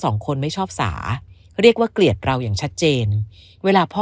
สองคนไม่ชอบสาเรียกว่าเกลียดเราอย่างชัดเจนเวลาพ่อ